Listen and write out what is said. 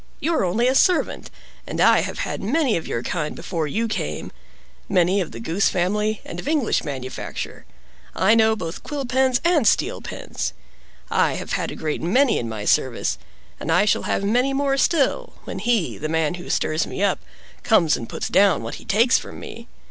You are only a servant: and I have had many of your kind before you came—many of the goose family, and of English manufacture. I know both quill pens and steel pens. I have had a great many in my service, and I shall have many more still, when he, the man who stirs me up, comes and puts down what he takes from me.